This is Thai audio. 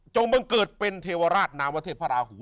จงเกิดเป็นเทวราชนาวเทพลาหู